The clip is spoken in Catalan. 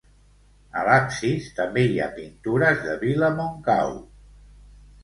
A l'absis també hi ha pintures de Vila Montcau.